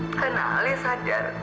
karena alia sadar